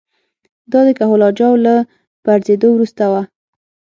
دا د کهول اجاو له پرځېدو وروسته وه